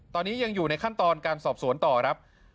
ตอนนี้ยังอยู่ในขั้นตอนการสอบสวนต่อครับ